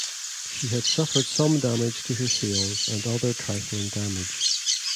She had suffered some damage to her sails and other trifling damage.